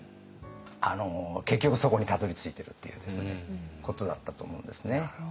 結局そこにたどりついてるっていうことだったと思うんですね。